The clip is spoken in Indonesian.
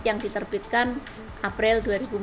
yang diterbitkan april dua ribu empat belas